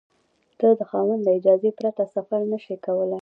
ته د خاوند له اجازې پرته سفر نشې کولای.